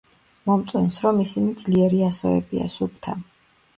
მომწონს რომ ისინი ძლიერი ასოებია, სუფთა.